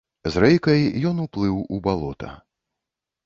З рэйкай ён уплыў у балота.